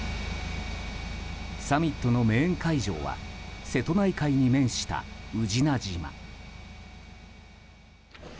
サミットのメイン会場は瀬戸内海に面した宇品島。